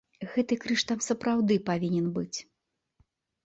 Гэты крыж там сапраўды павінен быць.